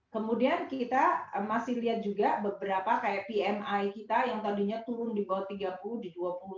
kemudian kita masih lihat juga beberapa kayak pmi kita yang tadinya turun di bawah tiga puluh di dua puluh lima